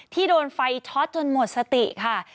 โดนไฟช็อตจนหมดสติค่ะ